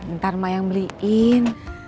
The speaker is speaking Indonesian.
ntar mak yang beliin